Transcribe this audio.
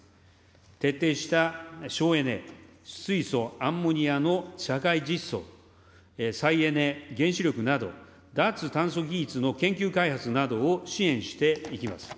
徹底した省エネ、水素・アンモニアの社会実装、再エネ・原子力など、脱炭素技術の研究開発などを支援していきます。